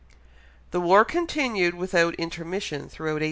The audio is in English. The war continued without intermission throughout 1807.